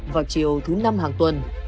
vào chiều thứ năm hàng tuần